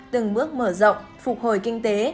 từng bước mở rộng phục hồi kinh tế